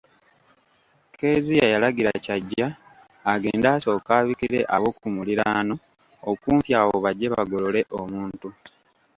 Kezia yalagira Kyajja agende asooke abikire abookumuliraano okumpi awo bajje bagolole omuntu.